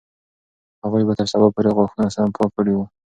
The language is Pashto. هغوی به تر سبا پورې غاښونه سم پاک کړي وي.